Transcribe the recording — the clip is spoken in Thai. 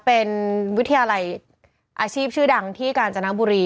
เป็นวิทยาลัยอาชีพชื่อดังที่กาญจนบุรี